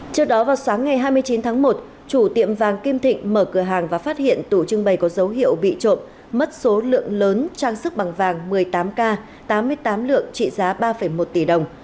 trước đó vào sáng ngày hai mươi chín tháng một chủ tiệm vàng kim thịnh mở cửa hàng và phát hiện tủ trưng bày có dấu hiệu bị trộm mất số lượng lớn trang sức bằng vàng một mươi tám k tám mươi tám lượng trị giá ba một tỷ đồng